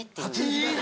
えっ！